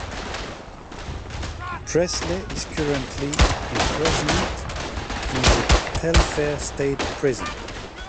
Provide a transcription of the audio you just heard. Presley is currently imprisoned in the Telfair State Prison.